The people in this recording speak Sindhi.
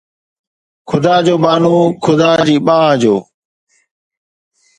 خدا جو ٻانهو ، خدا جي ٻانهن جو